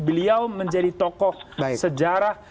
beliau menjadi tokoh sejarah